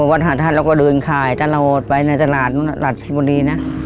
วัดมหาธาตุแล้วก็เดินข่ายตลอดไปในตลาดหลัดบรินะ